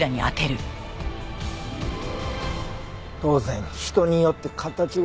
当然人によって形が違う。